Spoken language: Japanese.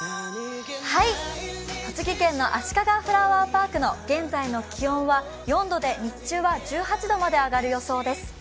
栃木県のあしかがフラワーパークの現在の気温は４度で４度で日中は１８度まで上がる予想です。